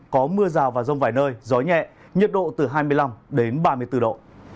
có mưa rào và rông vài nơi gió nhẹ nhiệt độ từ hai mươi năm đến ba mươi bốn độ